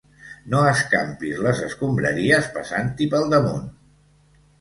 No escampis les escombraries passant-hi pel damunt.